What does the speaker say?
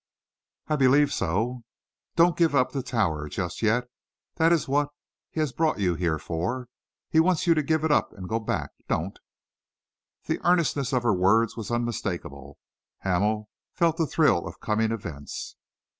"I believe so." "Don't give up the Tower just yet. That is what he has brought you here for. He wants you to give it up and go back. Don't!" The earnestness of her words was unmistakable. Hamel felt the thrill of coming events.